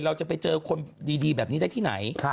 เราจะไปเจอคนดีแบบนี้ได้ที่ไหน